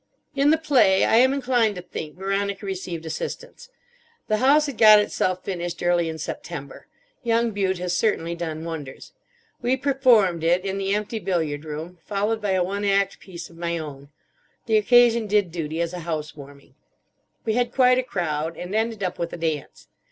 In the play, I am inclined to think, Veronica received assistance. The house had got itself finished early in September. Young Bute has certainly done wonders. We performed it in the empty billiard room, followed by a one act piece of my own. The occasion did duty as a house warming. We had quite a crowd, and ended up with a dance.